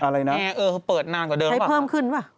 อะไรนะใช้เพิ่มขึ้นป่ะแอร์เปิดนานกว่าเดินรึเปล่า